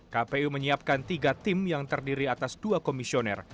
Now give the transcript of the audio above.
kpu menyiapkan tiga tim yang terdiri atas dua komisioner